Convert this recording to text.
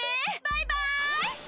バイバイ！